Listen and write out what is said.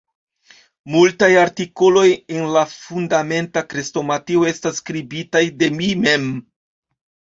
Multaj artikoloj en la Fundamenta Krestomatio estas skribitaj de mi mem.